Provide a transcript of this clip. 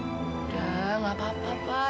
udah gak apa apa pak